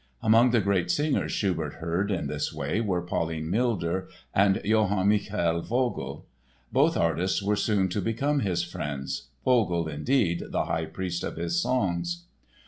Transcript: Among the great singers Schubert heard in this way were Pauline Milder and Johann Michael Vogl. Both artists were soon to become his friends—Vogl, indeed, the high priest of his songs.